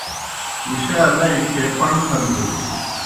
مُشا لئی کھیے پݨ پھل بِلوْ۔